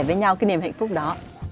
với nhau kinh nghiệm hạnh phúc đó